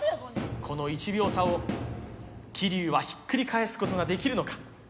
この１秒差を桐生はひっくり返すことができるのか。